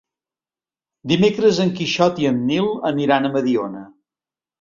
Dimecres en Quixot i en Nil aniran a Mediona.